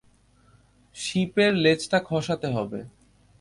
শিপের লেজটা খসাতে হবে।